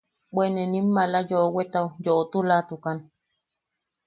Bwe ne nim maala yoʼowetau yoʼotulatukan.